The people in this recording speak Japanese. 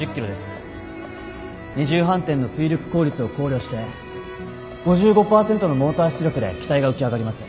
二重反転の推力効率を考慮して５５％のモーター出力で機体が浮き上がります。